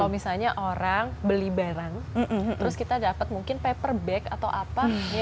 kalau misalnya orang beli barang terus kita dapat mungkin paper bag atau apa